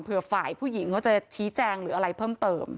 ฝ่ายผู้หญิงเขาจะชี้แจงหรืออะไรเพิ่มเติม